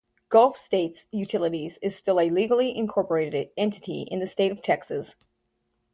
Gulf States Utilities is still a legally incorporated entity in the state of Texas.